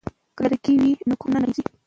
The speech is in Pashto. که لرګی وي نو کور نه نړیږي.